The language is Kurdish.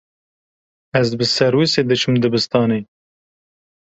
Ez bi serwîsê diçim dibistanê.